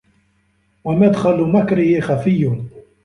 وَمَدْخَلٌ مَكْرِهِ خَفِيٌّ